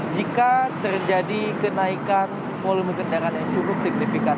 jika terjadi kenaikan volume kendaraan yang cukup signifikan